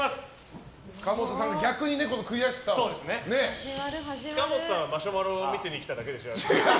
塚本さんは逆にこの悔しさを。塚本さんはマシュマロ見せに来ただけでしょ。